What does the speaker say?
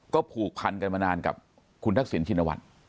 ก็ผูกพันกันมานานกับคุณทักษิณชินวัฒน์